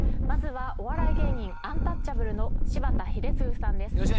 まずはお笑い芸人アンタッチャブルの柴田英嗣さんです。